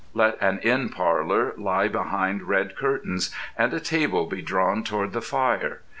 Let an inn parlour lie behind red curtains, and a table be drawn toward the fire.